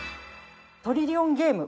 『トリリオンゲーム』。